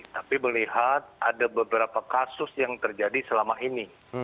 tapi melihat ada beberapa kasus yang terjadi selama ini